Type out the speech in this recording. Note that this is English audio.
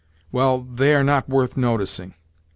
"Well, they are not worth noticing.